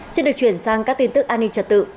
xin được chuyển sang các tin tức an ninh trật tự